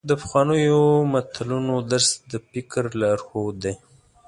د پخوانیو متلونو درس د فکر لارښود دی.